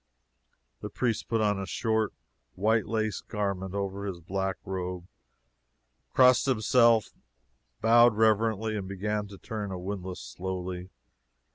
The priest put on a short white lace garment over his black robe, crossed himself, bowed reverently, and began to turn a windlass slowly.